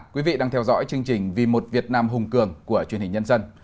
quý vị đang theo dõi chương trình vì một việt nam hùng cường của truyền hình nhân dân